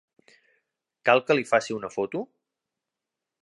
Cal que li faci una foto?